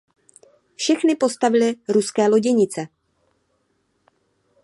Všechny postavily ruské loděnice.